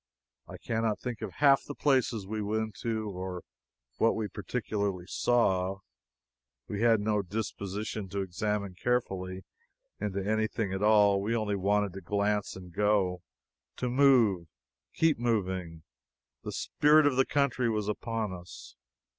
I cannot think of half the places we went to or what we particularly saw; we had no disposition to examine carefully into anything at all we only wanted to glance and go to move, keep moving! The spirit of the country was upon us.